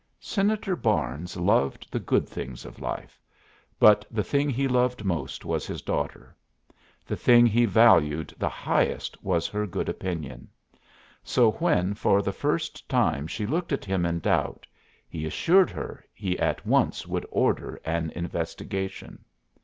Senator Barnes loved the good things of life, but the thing he loved most was his daughter; the thing he valued the highest was her good opinion. So when for the first time she looked at him in doubt, he assured her he at once would order an investigation.